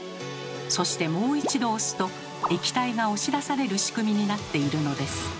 そしてもう一度押すと液体が押し出される仕組みになっているのです。